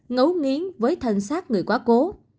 ngấu nghiến với thân sát người quá cố